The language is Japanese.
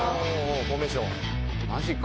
フォーメーション。